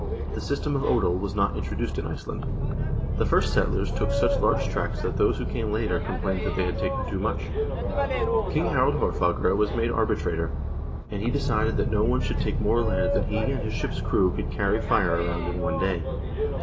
The system of odel was not introduced in Iceland. The first settlers took such large tracts that those who came later complained that they had taken too much. King Harald Haarfagre was made arbitrator, and he decided that no one should take more land than he and his ship's crew could carry fire around in one day.